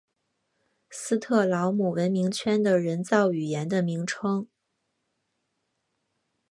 斯特劳姆文明圈的人造语言的名称。